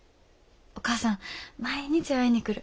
お母さん毎日会いに来る。